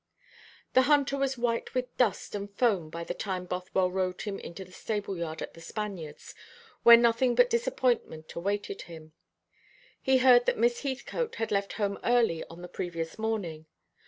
The hunter was white with dust and foam by the time Bothwell rode him into the stable yard at The Spaniards, where nothing but disappointment awaited him. He heard that Miss Heathcote had left home early on the previous morning.